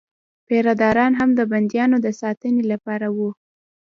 پیره داران هم د بندیانو د ساتنې لپاره وو.